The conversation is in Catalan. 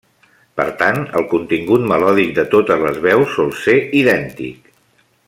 Per tant, el contingut melòdic de totes les veus sol ser idèntic.